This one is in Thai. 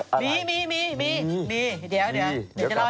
เอาล่ะมีเดี๋ยวเล่าให้ฟัง